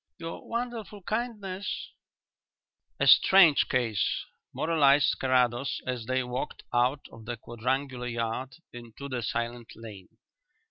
Your wonderful kindness " "A strange case," moralized Carrados, as they walked out of the quadrangular yard into the silent lane.